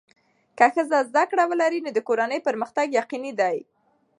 که ښځه زده کړه ولري، نو د کورنۍ پرمختګ یقیني دی.